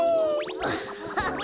アッハハ！